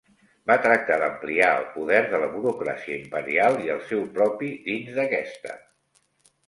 Va tractar d'ampliar el poder de la burocràcia imperial, i el seu propi dins d'aquesta.